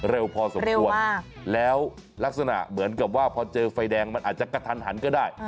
เร็วพอสมควรแล้วลักษณะเหมือนกับว่าพอเจอไฟแดงมันอาจจะกระทันหันก็ได้